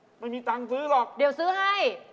ไม่มีตังค์ซื้อหรอกเดี๋ยวซื้อให้